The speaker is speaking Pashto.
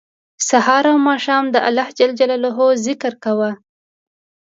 سهار او ماښام د الله ج ذکر کوه